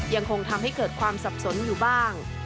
ยังคงทำให้เกิดความสับสนอยู่บ้าง